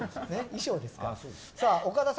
衣装ですから。